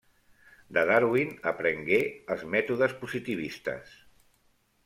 De Darwin aprengué els mètodes positivistes.